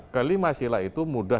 kelima sila itu mudah